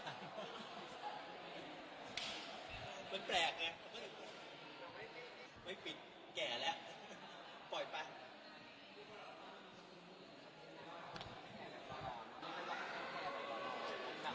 มันแปลกไงไม่ปิดแก่แล้วปล่อยไป